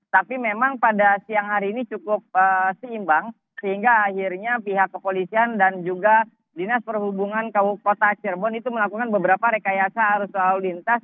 tapi memang pada siang hari ini cukup seimbang sehingga akhirnya pihak kepolisian dan juga dinas perhubungan kabupaten kota cirebon itu melakukan beberapa rekayasa arus lalu lintas